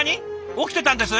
起きてたんです？